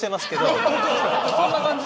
そんな感じ。